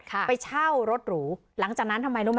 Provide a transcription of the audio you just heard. ไปเช่ารถหรูหลังจากนั้นทำไมรู้ไหม